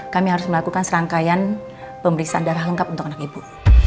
kami harus melakukan serangkaian pemeriksaan darah lengkap untuk anak ibu